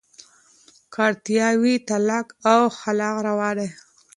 که اړتیا وي، طلاق او خلع روا دي.